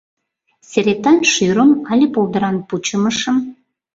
Серетан шӱрым але полдыран пучымышым?